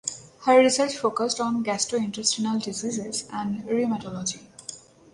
Her research focused on gastrointestinal diseases and rheumatology.